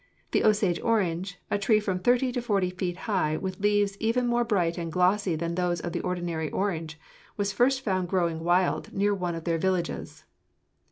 The Osage orange a tree from thirty to forty feet high with leaves even more bright and glossy than those of the ordinary orange was first found growing wild near one of their villages."